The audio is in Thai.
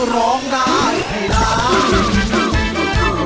ร้องได้ให้ได้